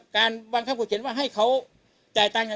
การบังคับขู่เขียนว่าให้เขาจ่ายตังค์